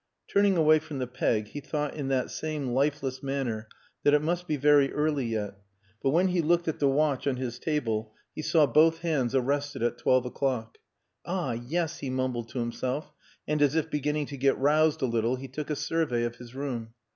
Turning away from the peg, he thought in that same lifeless manner that it must be very early yet; but when he looked at the watch on his table he saw both hands arrested at twelve o'clock. "Ah! yes," he mumbled to himself, and as if beginning to get roused a little he took a survey of his room.